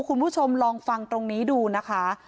คุณผู้ชมลองฟังตรงนี้ดูนะคะ